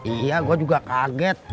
iya gue juga kaget